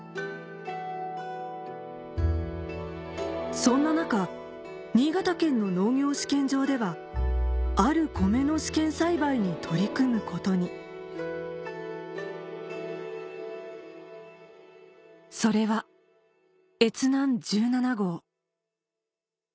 そんな中新潟県の農業試験場ではあるコメの試験栽培に取り組むことにそれは「越南１７号」